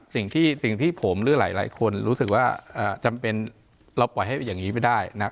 สิ่งที่ผมหรือหลายคนรู้สึกว่าจำเป็นเราปล่อยให้อย่างนี้ไปได้นะ